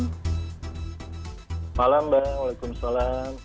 malam bang waalaikumsalam